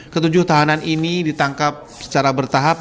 ketujuh tahanan ini ditangkap secara bertahap